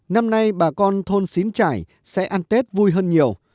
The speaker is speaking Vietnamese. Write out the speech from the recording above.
năm nay bà con thôn xín trải sẽ ăn tết vui hơn nhiều